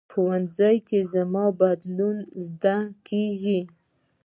ښوونځی کې د زمانه بدلون زده کېږي